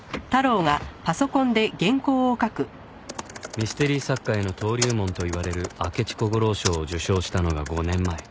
ミステリ作家への登竜門といわれる明智小五郎賞を受賞したのが５年前